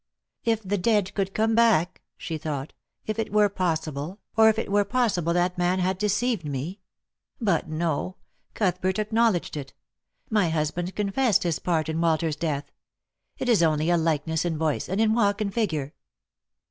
" If the dead could come back," she thought ;" if it were possible, or if it were possible that man had deceived me ! But no, Cuthbert acknowledged it. My husband confessed his part in Walter's death. It is only a likeness in voice, and in walk and figure